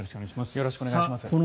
よろしくお願いします。